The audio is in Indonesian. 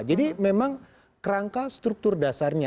jadi memang kerangka struktur dasarnya